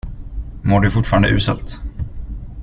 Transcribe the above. Mår du fortfarande uselt?